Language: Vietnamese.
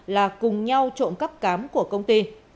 là cùng nhau trộn cắt cám của công ty